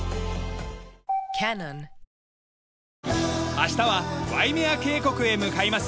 明日はワイメア渓谷へ向かいます。